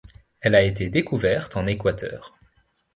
Elle a été découverte en Équateur.